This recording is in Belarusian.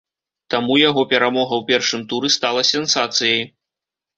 Таму, яго перамога ў першым туры стала сенсацыяй.